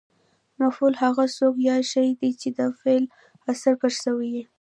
مفعول هغه څوک یا شی دئ، چي د فعل اثر پر سوی يي.